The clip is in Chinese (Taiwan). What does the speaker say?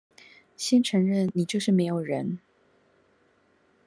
先承認你就是沒有人